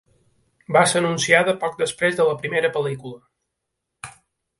Va ser anunciada poc després de la primera pel·lícula.